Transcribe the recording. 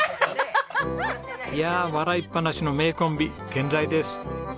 アハハハハ！いや笑いっぱなしの名コンビ健在です。